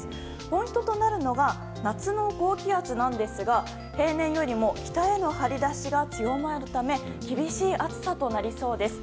ポイントとなるのが夏の高気圧なんですが平年よりも北への張り出しが強まるため厳しい暑さとなりそうです。